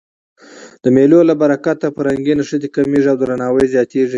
د مېلو له برکته فرهنګي نښتي کمېږي او درناوی زیاتېږي.